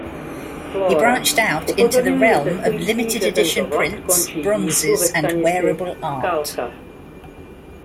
He branched out into the realm of limited edition prints, bronzes, and wearable art.